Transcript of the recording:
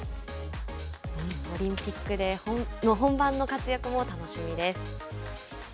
オリンピックの本番の活躍も楽しみです。